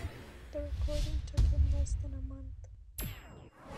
The recording took him less than a month.